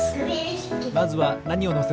まずはなにをのせる？